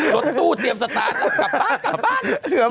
รถตู้เตรียมสตาร์ทแล้วกลับบ้านกลับบ้าน